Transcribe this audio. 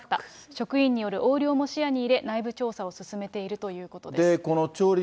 直院による横領も視野に入れ、内部調査を進めているということです。